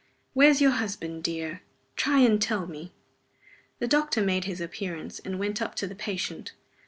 "Where's your husband, dear? Try and tell me." The doctor made his appearance, and went up to the patient.